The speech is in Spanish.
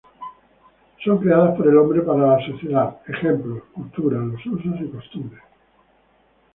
Son creadas por el hombre para la sociedad, ejemplos: cultura, los usos y costumbre.